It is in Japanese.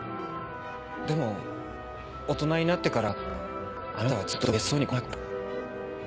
でも大人になってからあなたはずっと別荘に来なくなった。